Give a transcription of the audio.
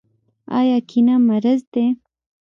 آیا کینه مرض دی؟